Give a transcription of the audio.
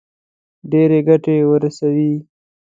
ډېره ګټه ورسوي.